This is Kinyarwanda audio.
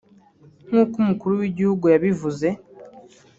nk’uko Umukuru w’igihugu yabivuze